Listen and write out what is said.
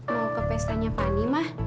mau ke pestanya fani mah